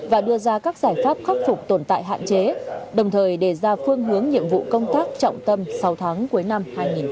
và đưa ra các giải pháp khắc phục tồn tại hạn chế đồng thời đề ra phương hướng nhiệm vụ công tác trọng tâm sáu tháng cuối năm hai nghìn hai mươi